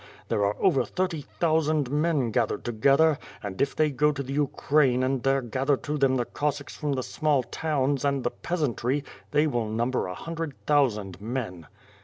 There are over thirty thousand men gathered together; and if they go to the Ukraine and there gather to them the Cos sacks from the small towns, and the peasantry, they will num ber a hundred thousand men."